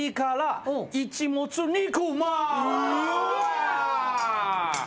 うわ！